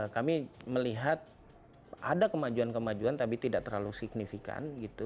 kami melihat ada kemajuan kemajuan tapi tidak terlalu signifikan gitu